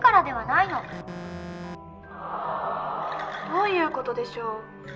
どういう事でしょう？